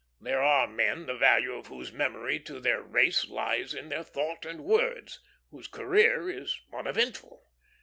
There are men the value of whose memory to their race lies in their thought and words, whose career is uneventful.